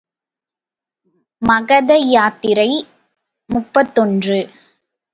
மகத யாத்திரை முப்பத்தொன்று.